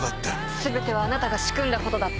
「全てはあなたが仕組んだことだった」